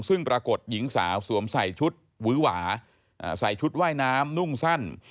ซึ่งปรากฏหญิงสาวสวมใส่ชุดวื้อหวาใส่ชุดว่ายน้ำนุ่งสั้น